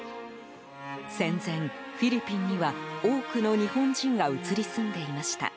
戦前、フィリピンには多くの日本人が移り住んでいました。